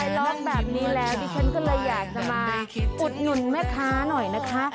ร้องแบบนี้แล้วดิฉันก็เลยอยากจะมาอุดหนุนแม่ค้าหน่อยนะคะ